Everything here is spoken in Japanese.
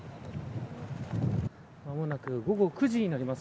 間もなく午後９時になります。